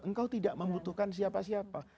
engkau tidak membutuhkan siapa siapa